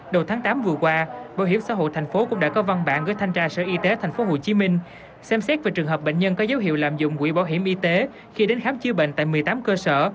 đầu tháng tám vừa qua bảo hiểm xã hội tp hcm cũng đã có văn bản gửi thanh tra sở y tế tp hcm xem xét về trường hợp bệnh nhân có dấu hiệu lạm dụng quỹ bảo hiểm y tế khi đến khám chữa bệnh tại một mươi tám cơ sở